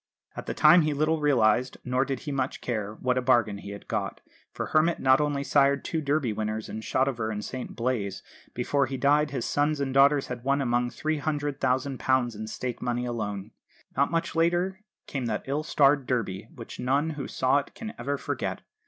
At the time he little realised nor did he much care what a bargain he had got; for Hermit not only sired two Derby winners in Shotover and St Blaise, before he died his sons and daughters had won among them £300,000 in stake money alone. Not much later came that ill starred Derby, which none who saw it can ever forget.